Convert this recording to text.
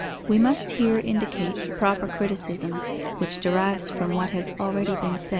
We must here indicate the proper criticism, which derives from what has already been said.